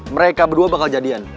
mereka berdua bakal jadian